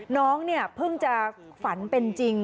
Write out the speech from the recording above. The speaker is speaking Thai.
น้องเนี่ยเพิ่งจะฝันเป็นจริง